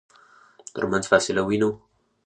ترمنځ فاصله وينو.